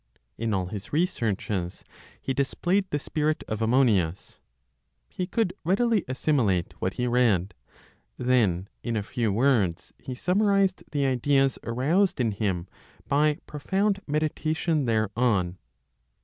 In all his researches he displayed the spirit of Ammonius. He could readily assimilate (what he read); then, in a few words, he summarized the ideas aroused in him by profound meditation thereon.